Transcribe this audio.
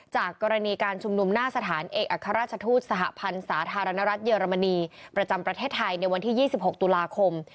จากกรณีการชุมนุมหน้าสถานเอกอัครราชทูตสหพันธ์สาธารณรัฐเยอรมนีประจำประเทศไทยในวันที่๒๖ตุลาคม